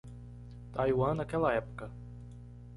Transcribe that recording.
Taiwan naquela época